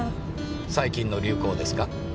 最近の流行ですか？